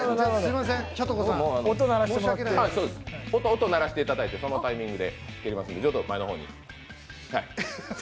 音鳴らしていただいて、そのタイミングでやりますので、ちょっと前の方に。